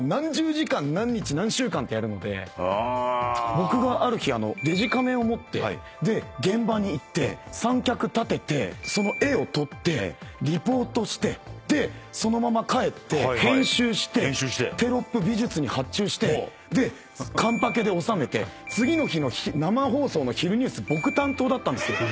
僕がある日デジカメを持って現場に行って三脚立ててその絵を撮ってリポートしてそのまま帰って編集してテロップ美術に発注して完パケで納めて次の日の生放送の昼ニュース僕担当だったんですよ。